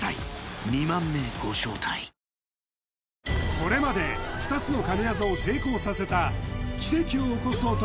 これまで２つの神業を成功させた奇跡を起こす男